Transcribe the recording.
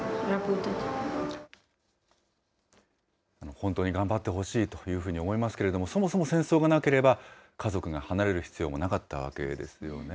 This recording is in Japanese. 本当に頑張ってほしいというふうに思いますけれども、そもそも戦争がなければ、家族が離れる必要もなかったわけですよね。